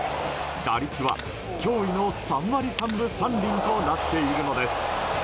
打率は驚異の３割３分３厘となっているのです。